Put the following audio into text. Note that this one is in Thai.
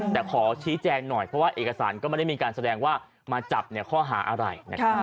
แต่ขอชี้แจงหน่อยเพราะว่าเอกสารก็ไม่ได้มีการแสดงว่ามาจับข้อหาอะไร